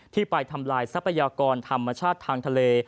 ที่ไปทำลายทรัพยากรธรรมชาติทางทะเล